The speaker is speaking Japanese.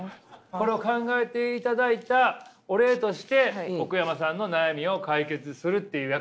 これを考えていただいたお礼として奥山さんの悩みを解決するという約束でしたから。